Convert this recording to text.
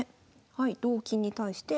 はい同金に対して。